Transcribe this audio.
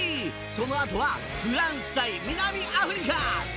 そのあとはフランス対南アフリカ。